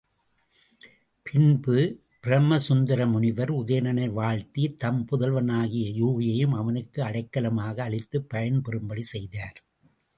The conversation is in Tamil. பின்பு பிரமசுந்தர முனிவர் உதயணனை வாழ்த்தித் தம் புதல்வனாகிய யூகியையும் அவனுக்கு அடைக்கலமாக அளித்துப் பயன் பெறும்படி செய்தார்.